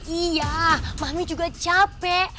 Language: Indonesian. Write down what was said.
iya mami juga capek